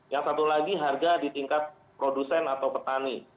yang satu lagi harga di tingkat produsen atau petani